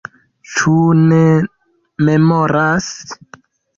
Ĉu ne memoras?